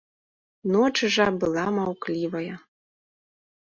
Ноч жа была маўклівая.